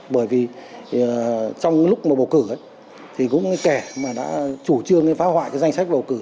bởi vì trong lúc mà bầu cử thì cũng kẻ mà đã chủ trương phá hoại cái danh sách bầu cử